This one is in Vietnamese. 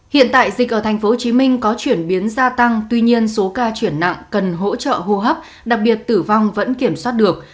hiện tại dịch ở thành phố hồ chí minh có chuyển biến gia tăng tuy nhiên số ca chuyển nặng cần hỗ trợ hô hấp đặc biệt tử vong vẫn kiểm soát được